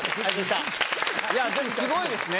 でもスゴいですね。